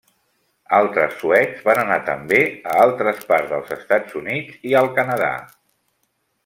Altres suecs van anar també a altres parts dels Estats Units i al Canadà.